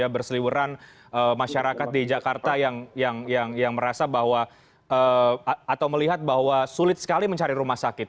berseliwuran masyarakat di jakarta yang merasa bahwa atau melihat bahwa sulit sekali mencari rumah sakit